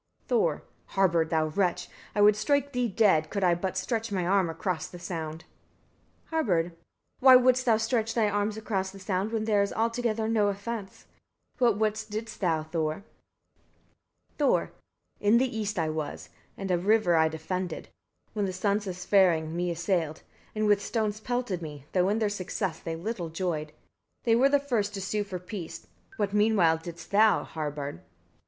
Thor. 27. Harbard, thou wretch! I would strike thee dead, could I but stretch my arm across the sound. Harbard. 28. Why wouldst thou stretch thy arm across the sound, when there is altogether no offence? But what didst thou, Thor? Thor. 39. In the east I was, and a river I defended, when the sons of Svarang me assailed, and with stones pelted me, though in their success they little joyed: they were the first to sue for peace. What meanwhile didst thou, Harbard?